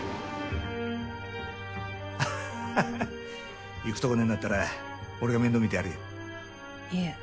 あははっ行くとこねぇんだったら俺が面倒見てやるよいえ